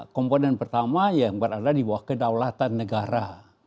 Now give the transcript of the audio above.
komponen pertama yang berada di bawah kedaulatan negara